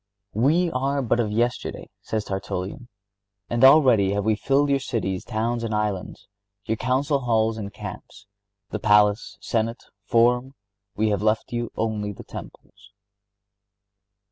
(63) "We are but of yesterday," says Tertullian, "and already have we filled your cities, towns, islands, your council halls and camps ... the palace, senate, forum; we have left you only the temples."